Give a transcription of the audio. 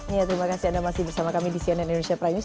ya terima kasih anda masih bersama kami di cnn indonesia prime news